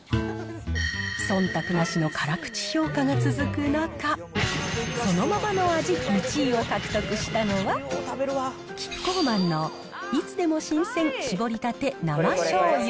そんたくなしの辛口評価が続く中、そのままの味１位を獲得したのは、キッコーマンのいつでも新鮮しぼりたて生しょうゆ。